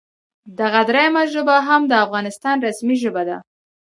دغه دریمه ژبه هم د افغانستان رسمي ژبه ده